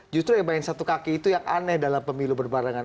justru yang main satu kaki itu yang aneh dalam pemilu berbarengan